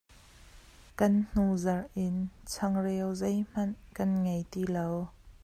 Kan hnuzarh in changreu zeihmanh kan ngei ti lo.